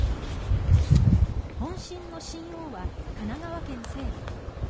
本震の震央は神奈川県西部。